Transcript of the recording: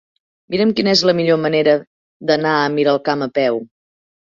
Mira'm quina és la millor manera d'anar a Miralcamp a peu.